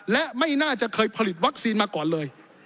และไม่น่าจะเคยผลิตวัคซีนมาก่อนเลย